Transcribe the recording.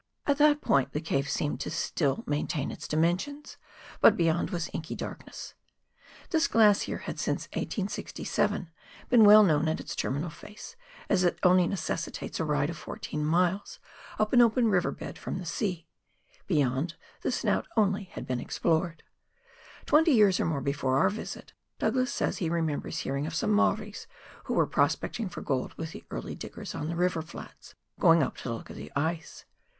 At that point the cave seemed to still maintain its dimensions, but beyond was inky darkness. This glacier had since 1867 been well known at its terminal face, as it only necessitates a ride of fourteen miles up an open river bed from the sea ; beyond, the snout only had been unexplored. Twenty years or more before our visit, Douglas says he remembers hearing of some Maoris, who were prospecting for gold with the early diggers on the river flats, going up to look at the ice.